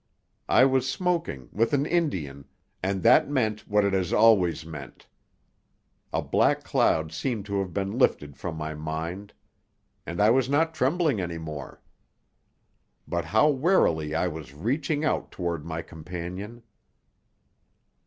I was smoking, with an Indian, and that meant what it has always meant. A black cloud seemed to have been lifted from my mind. And I was not trembling any more. But how warily I was reaching out toward my companion.